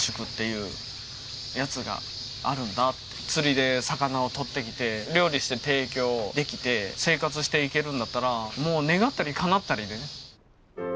釣りで魚をとってきて料理して提供できて生活していけるんだったらもう願ったりかなったりでね。